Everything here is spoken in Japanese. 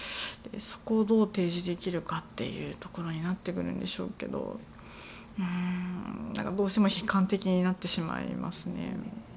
そこをどう提示できるかというところになってくるんでしょうけどどうしても悲観的になってしまいますね。